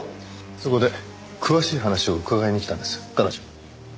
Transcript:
そこで詳しい話を伺いに来たんです彼女に。